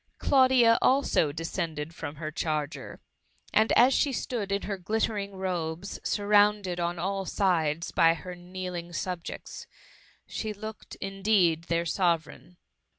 Claudia, also, descended from her charger, and as she stood in her glittering robes, surrounded on all sides by her kneeling subjects, she looked, indeed, their Sovereign.